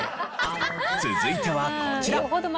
続いてはこちら。